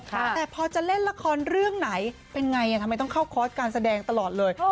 แต่พอจะเล่นละครเรื่องไหนเป็นไงทำไมต้องเข้าคอร์สการแสดงตลอดเลย